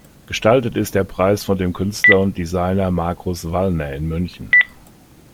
Gestaltet ist der Preis von dem Künstler und Designer Markus Wallner in München.